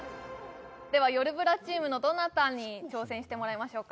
ではよるブラチームのどなたに挑戦してもらいましょうか？